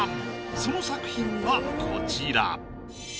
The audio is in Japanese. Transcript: その作品がこちら。